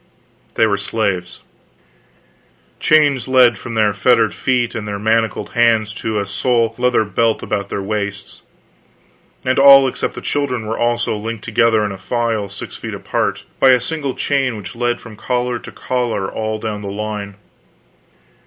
They were slaves. Chains led from their fettered feet and their manacled hands to a sole leather belt about their waists; and all except the children were also linked together in a file six feet apart, by a single chain which led from collar to collar all down the line.